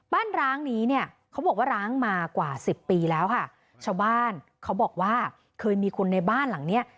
ร้างนี้เนี่ยเขาบอกว่าร้างมากว่าสิบปีแล้วค่ะชาวบ้านเขาบอกว่าเคยมีคนในบ้านหลังเนี้ย